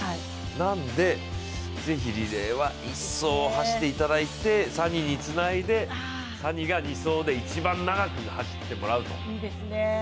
なので、ぜひ、リレーは１走を走っていただいてサニにつないでサニが２走で一番長く走ってもらうと。